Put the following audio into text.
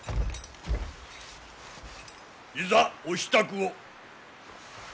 いざお支度を。